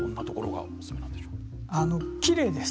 きれいです。